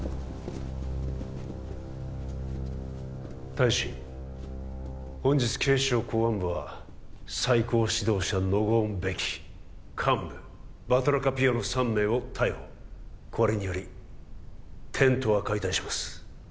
大使本日警視庁公安部は最高指導者ノゴーン・ベキ幹部バトラカピヨの３名を逮捕これによりテントは解体します